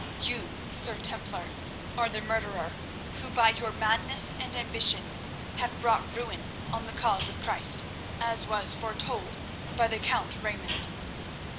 "You, Sir Templar, are the murderer who by your madness and ambition have brought ruin on the cause of Christ, as was foretold by the count Raymond."